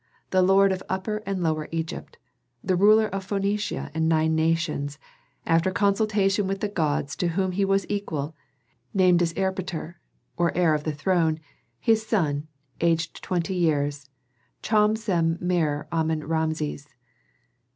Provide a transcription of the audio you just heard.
the lord of Upper and Lower Egypt, the ruler of Phœnicia and nine nations, after consultation with the gods to whom he was equal, named as erpatr, or heir to the throne, his son, aged twenty years, Cham Sem Merer Amen Rameses.